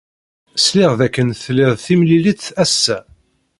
Sliɣ dakken tlid timlilit ass-a.